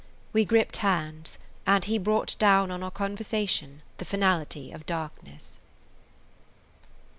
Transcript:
We gripped hands, and he brought down on our conversation the finality of darkness.